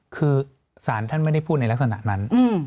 คือศาลท่านไม่ได้พูดในลักษณะนั้น